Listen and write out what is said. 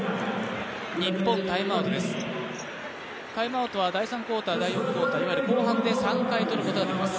日本タイムアウトです、第３クオーター、第４クオーター、いわゆる後半で３回とることができます。